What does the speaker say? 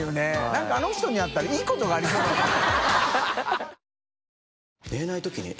燭あの人に会ったらいいことがありそうだもんな。